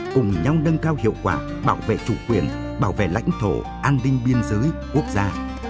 cùng nhau nâng cao hiệu quả bảo vệ chủ quyền bảo vệ lãnh thổ an ninh biên giới quốc gia